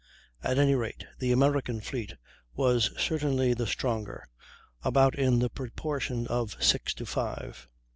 At any rate the American fleet was certainly the stronger, about in the proportion of six to five.